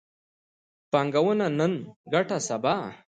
پانګونه نن، ګټه سبا